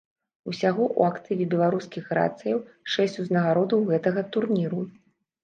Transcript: Усяго ў актыве беларускіх грацыяў шэсць узнагародаў гэтага турніру.